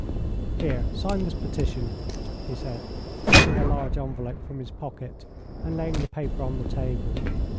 "Here, sign this petition," he said, taking a large envelope from his pocket, and laying the paper on the table.